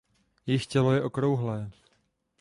Jejich tělo je okrouhlé.